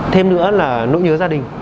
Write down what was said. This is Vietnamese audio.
thêm nữa là nỗi nhớ gia đình